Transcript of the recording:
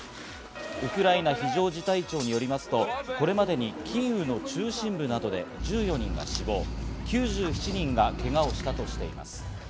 ウクライナ非常事態庁によりますと、これまでにキーウの中心部などで１４人が死亡、９７人がけがをしたとしています。